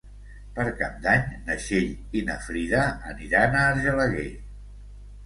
Per Cap d'Any na Txell i na Frida aniran a Argelaguer.